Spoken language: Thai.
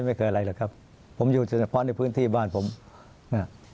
ไม่เคยอะไรหรอกครับผมอยู่เฉพาะในพื้นที่บ้านผมน่ะ